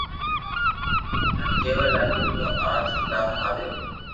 ھون ڪيوا لاگيو ڪو او سودام آويو